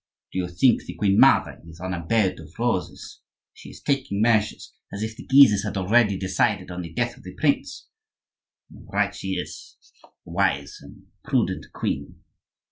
Do you think the queen mother is on a bed of roses? She is taking measures as if the Guises had already decided on the death of the prince, and right she is, the wise and prudent queen!